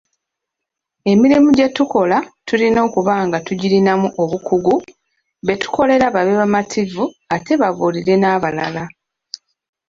Emirimu gye tukola tulina okuba nga tugirinamu obukugu betukolera babe bamativu ate babuulire n'abalala.